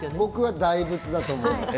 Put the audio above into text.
大仏だと思います。